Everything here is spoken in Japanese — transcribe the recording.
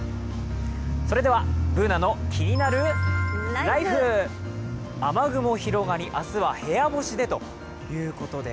それでは、「ＢｏｏｎａのキニナルＬＩＦＥ」雨雲広がり、明日は部屋干しでということで。